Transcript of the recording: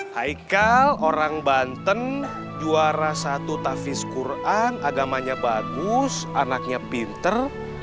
haikal orang banten juara satu tafis quran agamanya bagus anaknya pinter